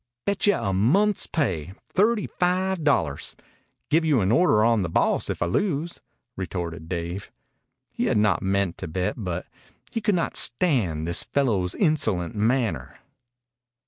"Betcha a month's pay thirty five dollars. Give you an order on the boss if I lose," retorted Dave. He had not meant to bet, but he could not stand this fellow's insolent manner.